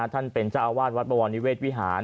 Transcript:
ท่านเป็นเจ้าอาวาสวัดบวรนิเวศวิหาร